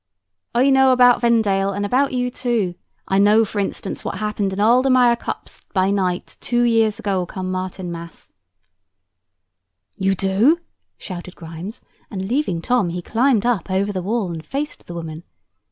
"I know about Vendale, and about you, too. I know, for instance, what happened in Aldermire Copse, by night, two years ago come Martinmas." "You do?" shouted Grimes; and leaving Tom, he climbed up over the wall, and faced the woman.